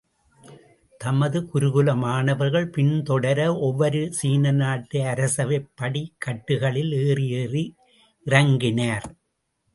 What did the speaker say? தமது குருகுல மாணவர்கள் பின் தொடர, ஒவ்வொரு சீன நாட்டு அரசவைப் படிகட்டுகளில் ஏறி ஏறி இறங்கினார்!